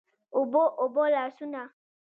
اوبه، اوبه لاسونه